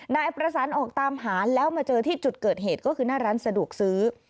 นายประสานออกตามหาแล้วมาเจอที่จุดเกิดเหตุก็คือหน้าร้านสะดวกซื้อ